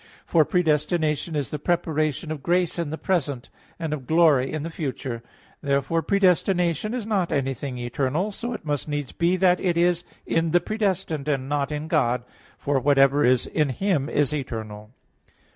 For predestination is the preparation of grace in the present; and of glory in the future. Therefore predestination is not anything eternal. So it must needs be that it is in the predestined, and not in God; for whatever is in Him is eternal.